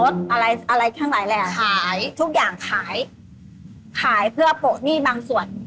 สร้อยง็้อรถอะไรทั่งม